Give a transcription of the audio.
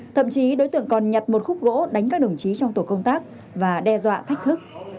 thậm chí đối tượng còn nhặt một khúc gỗ đánh các đồng chí trong tổ công tác và đe dọa thách thức